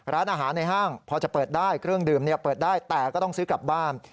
ร้านอาหารในห้างพอจะเปิดได้เครื่องดื่มเปิดได้แต่ก็ต้องซื้อกลับบ้าน